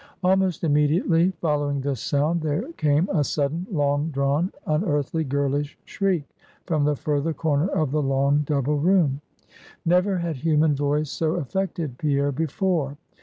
Almost immediately following this sound, there came a sudden, long drawn, unearthly, girlish shriek, from the further corner of the long, double room. Never had human voice so affected Pierre before.